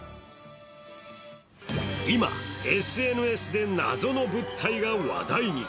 今、ＳＮＳで謎の物体が話題に。